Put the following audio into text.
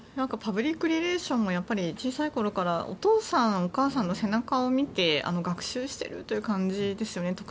パブリックリレーションが小さいころからお父さん、お母さんの背中を見て学習している感じですよね。